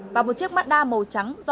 và một chiếc mazda màu trắng do